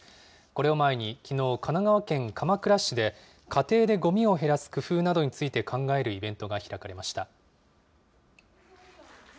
これを前にきのう、神奈川県鎌倉市で家庭でごみを減らす工夫などについて考えるイベントが開かれました。